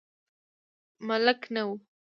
ملک نه و.